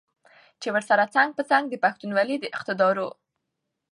چې ورسره څنګ په څنګ د پښتونولۍ د اقدارو